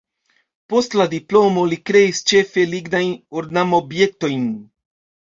Post la diplomo li kreis ĉefe lignajn ornamobjektojn.